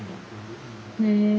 へえ。